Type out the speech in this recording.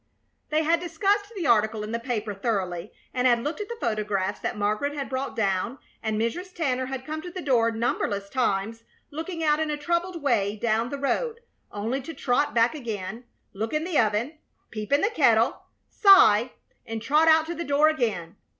They had discussed the article in the paper thoroughly, and had looked at the photographs that Margaret had brought down; and Mrs. Tanner had come to the door numberless times, looking out in a troubled way down the road, only to trot back again, look in the oven, peep in the kettle, sigh, and trot out to the door again.